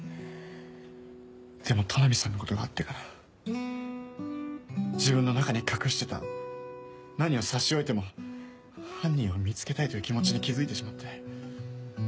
でも都波さんのことがあってから自分の中に隠してた何を差し置いても犯人を見つけたいという気持ちに気付いてしまって。